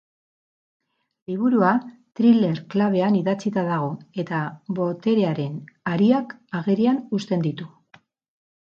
Liburua thriller klabean idatzita dago eta boterearen hariak agerian uzten ditu.